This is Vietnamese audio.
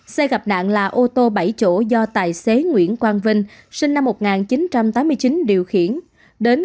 xe gặp nạn là ô tô bảy chỗ do tài xế nguyễn quang vinh sinh năm một nghìn chín trăm tám mươi chín điều khiển